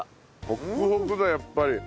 ホクホクだやっぱり。